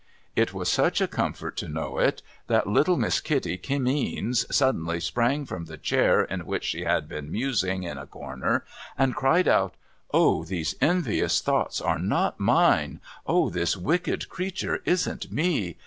It was such a comfort to know it, that little Miss Kitty Kimmeens suddenly sprang from the chair in which she had been musing in a corner, and cried out, ' O these envious thoughts are not mine, O this wicked creature isn't me